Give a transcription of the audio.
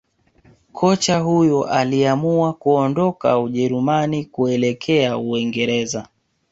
Kocha huyo aliamua kuondoka Ujerumani kuelekjea uingereza